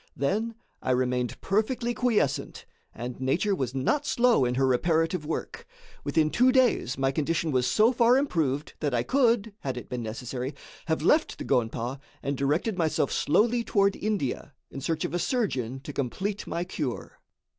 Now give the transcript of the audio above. Then I remained perfectly quiescent and nature was not slow in her reparative work. Within two days my condition was so far improved that I could, had it been necessary, have left the gonpa and directed myself slowly toward India in search of a surgeon to complete my cure.